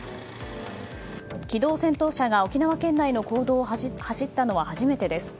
軌道戦闘車が沖縄県内の公道を走ったのは初めてです。